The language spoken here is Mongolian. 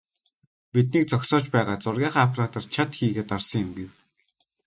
"Биднийг зогсоож байгаад зургийнхаа аппаратаар чад хийлгээд дарсан юм" гэв.